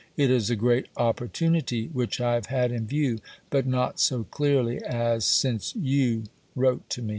It is a great opportunity; which I have had in view, but not so clearly as since you wrote to me."